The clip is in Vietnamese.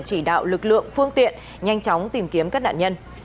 chỉ đạo lực lượng phương tiện nhanh chóng tìm kiếm các nạn nhân